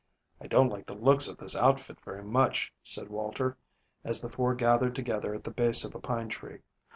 "I don't like the looks of this outfit very much," said Walter, as the four gathered together at the base of a pine tree.